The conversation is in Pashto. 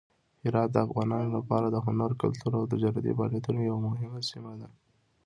هرات د افغانانو لپاره د هنر، کلتور او تجارتي فعالیتونو یوه مهمه سیمه ده.